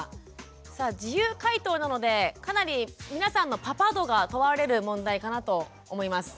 さあ自由解答なのでかなり皆さんのパパ度が問われる問題かなと思います。